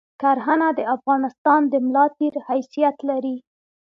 کرهنه د افغانستان د ملاتیر حیثیت لری